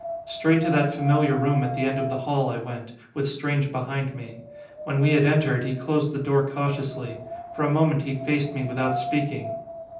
Straight to that familiar room at the end of the hall I went, with Strange behind me. When we had entered, he closed the door cautiously. For a moment he faced me without speaking.